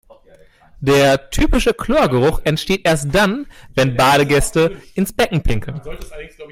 Der typische Chlorgeruch entsteht erst dann, wenn Badegäste ins Becken pinkeln.